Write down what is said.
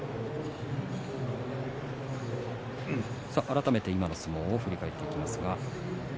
改めて今の相撲を振り返ります。